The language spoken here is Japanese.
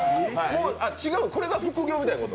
これが副業みたいなこと？